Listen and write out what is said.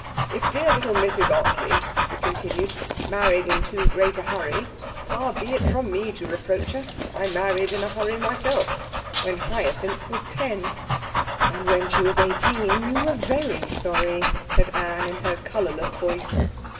'If dear little Mrs Ottley,' he continued, 'married in too great a hurry, far be it from me to reproach her. I married in a hurry myself when Hyacinth was ten.' 'And when she was eighteen you were very sorry,' said Anne in her colourless voice.